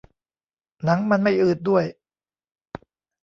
หนังมันไม่อืดด้วย